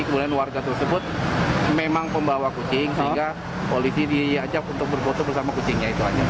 kemudian warga tersebut memang pembawa kucing sehingga polisi diajak untuk berfoto bersama kucingnya itu aja